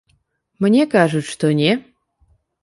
Мне кажуць, што не.